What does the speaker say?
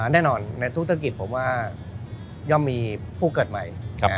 แน่นอนในธุรกิจผมว่าย่อมมีผู้เกิดใหม่